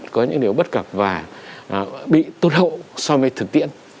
có những điều bất cập và bị tốt hậu so với thực tiện